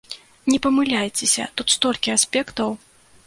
Не памыляйцеся, тут столькі аспектаў.